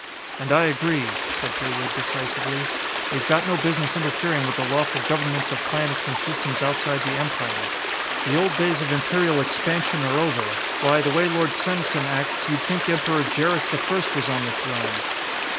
"And I agree," said Heywood decisively. "We've got no business interfering with the lawful governments of planets and systems outside the Empire. The old days of Imperial expansion are over. Why, the way Lord Senesin acts, you'd think Emperor Jerris the First was on the throne."